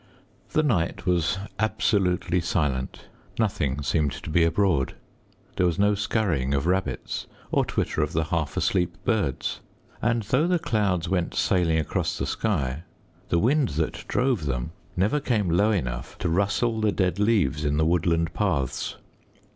The night was absolutely silent. Nothing seemed to be abroad. There was no skurrying of rabbits, or twitter of the half asleep birds. And though the clouds went sailing across the sky, the wind that drove them never came low enough to rustle the dead leaves in the woodland paths.